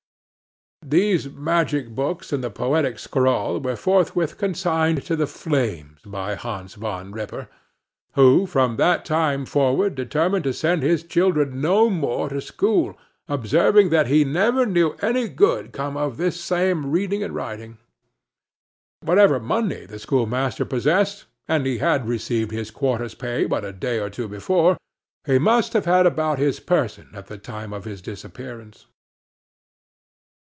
These magic books and the poetic scrawl were forthwith consigned to the flames by Hans Van Ripper; who, from that time forward, determined to send his children no more to school, observing that he never knew any good come of this same reading and writing. Whatever money the schoolmaster possessed, and he had received his quarter's pay but a day or two before, he must have had about his person at the time of his disappearance.